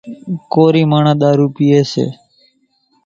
ڪورِي ماڻۿان ۮارُو پيئيَ سي۔